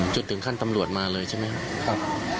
จนถึงขั้นตำรวจมาเลยใช่ไหมครับ